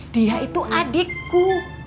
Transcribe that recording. dia itu adikku